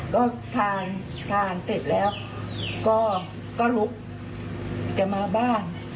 ก็ทานทานเสร็จแล้วก็ลุกจะมาบ้าน